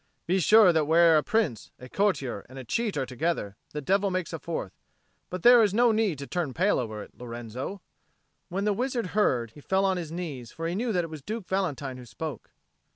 "Be sure that where a prince, a courtier, and a cheat are together, the devil makes a fourth. But there is no need to turn pale over it, Lorenzo." When the wizard heard, he fell on his knees; for he knew that it was Duke Valentine who spoke.